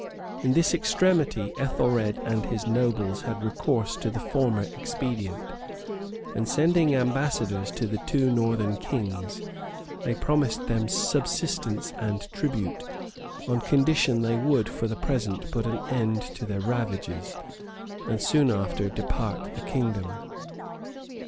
In this extremity, Ethelred and his nobles had recourse to the former expedient; and sending ambassadors to the two northern kings, they promised them subsistence and tribute, on condition they would, for the present, put an end to their ravages, and soon after depart the kingdom.